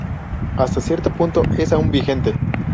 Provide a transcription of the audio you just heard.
Hasta cierto punto es aún vigente.